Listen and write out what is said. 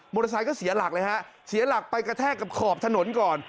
เตอร์ไซค์ก็เสียหลักเลยฮะเสียหลักไปกระแทกกับขอบถนนก่อน